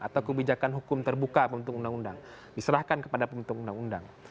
atau kebijakan hukum terbuka pembentuk undang undang diserahkan kepada pembentuk undang undang